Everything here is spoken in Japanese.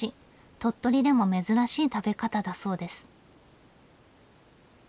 鳥取でも珍しい食べ方だそうです。